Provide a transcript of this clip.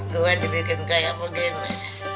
gue dibikin kayak begini